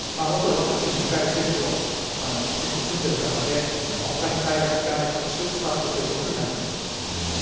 もちろん、ワクチン２回接種をきちんと済んでいる方で他に代えがきかない職種、スタッフということになります。